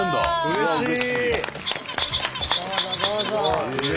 うれしい。